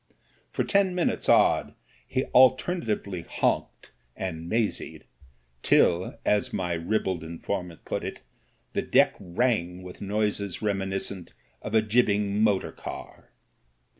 For ten minutes odd he alternately Honked and Maisied, till, as my ribald in formant put it, the deck rang with noises reminiscent of a jibbing motor car.